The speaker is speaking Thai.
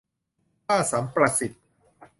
ค่าสัมประสิทธิ์